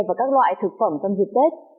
và các loại thực phẩm trong dịch tết